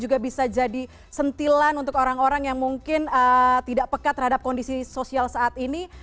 juga bisa jadi sentilan untuk orang orang yang mungkin tidak pekat terhadap kondisi sosial saat ini